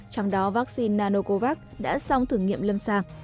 trong đó vaccine nanocovax đã xong thử nghiệm lâm sàng